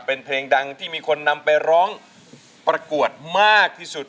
เป็นเพลงดังที่มีคนนำไปร้องประกวดมากที่สุด